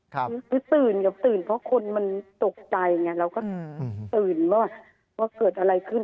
คือตื่นกับตื่นเพราะคนมันตกใจไงเราก็ตื่นว่าเกิดอะไรขึ้น